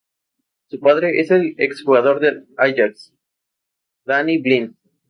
Su padre es el exjugador del Ajax, Danny Blind.